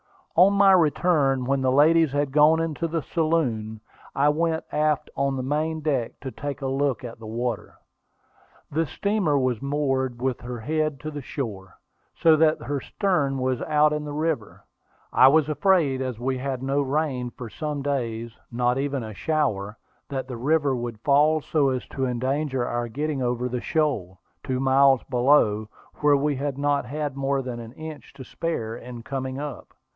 On my return, when the ladies had gone up into the saloon, I went aft on the main deck to take a look at the water. The steamer was moored with her head to the shore, so that her stern was out in the river. I was afraid, as we had had no rain for some days, not even a shower, that the river would fall so as to endanger our getting over the shoal, two miles below, where we had not had more than an inch to spare in coming up.